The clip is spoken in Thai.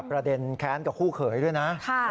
นี่ประเด็นแค้นกับคู่เขยด้วยนะ